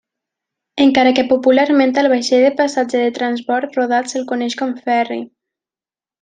Encara que popularment al vaixell de passatge de transbord rodat se'l coneix com ferri.